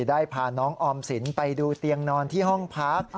ได้พาน้องออมสินไปดูเตียงนอนที่ห้องพัก